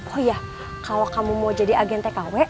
oh iya kalau kamu mau jadi agente kw